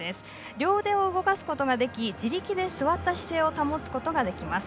両腕を動かすことができ自力で座った姿勢を保つことができます。